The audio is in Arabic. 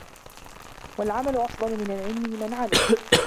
وَالْعَمَلُ أَفْضَلُ مِنْ الْعِلْمِ لِمَنْ عَلِمَ